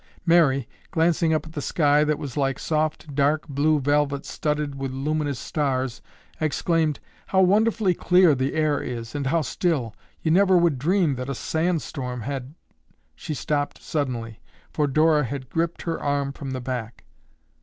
Mary, glancing up at the sky that was like soft, dark blue velvet studded with luminous stars, exclaimed, "How wonderfully clear the air is, and how still. You never would dream that a sand storm had—" She stopped suddenly, for Dora had gripped her arm from the back.